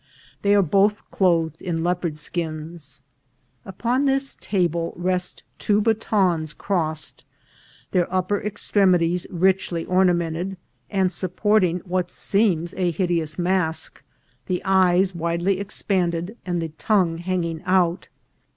They are both clothed in leopard skins. Upon this table rest two batons crossed, their upper extremities richly ornament ed, and supporting what seems a hideous mask, the eyes widely expanded, and the tongue hanging out.